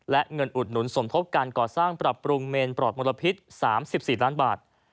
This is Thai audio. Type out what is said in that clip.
และเงินอุดหนุนสมทบการก่อสร้างปรับปรุงเมนปลอดมลพิษ๓๔ล้านบาท